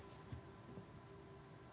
ya tentu saja